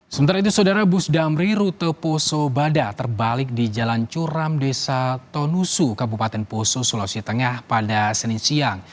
sementara itu saudara bus damri rute poso bada terbalik di jalan curam desa tonusu kabupaten poso sulawesi tengah pada senin siang